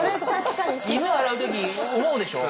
犬洗う時思うでしょ？